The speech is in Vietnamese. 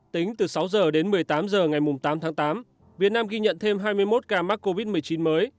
tính từ sáu h đến một mươi tám h ngày tám tháng tám việt nam ghi nhận thêm hai mươi một ca mắc covid một mươi chín mới